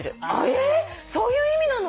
えっそういう意味なの！？